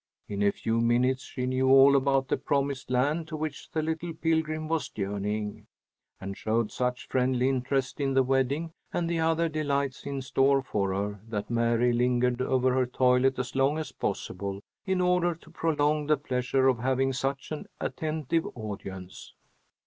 In a few minutes she knew all about the promised land to which the little pilgrim was journeying, and showed such friendly interest in the wedding and the other delights in store for her that Mary lingered over her toilet as long as possible, in order to prolong the pleasure of having such an attentive audience.